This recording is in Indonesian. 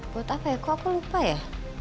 buat apa ya kok aku lupa ya